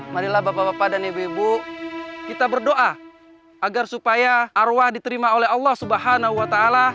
marilah bapak bapak dan ibu ibu kita berdoa agar supaya arwah diterima oleh allah swt